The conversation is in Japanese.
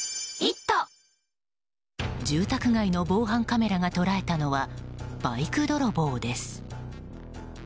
住宅街の防犯カメラが捉えたのはバイク泥棒です。